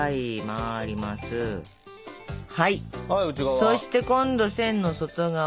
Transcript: そして今度線の外側。